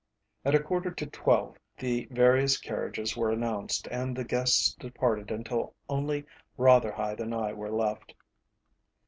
At a quarter to twelve the various carriages were announced, and the guests departed until only Rotherhithe and I were left.